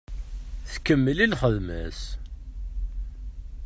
Tkemmel i lxedma-s.